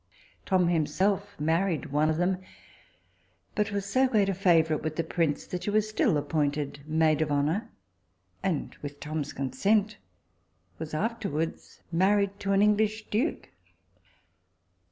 Tom himself married one of them, but was so great a favourite with the prince, that she still was appointed maid of honour, and with Tom's consent was afterwards married to an English duke.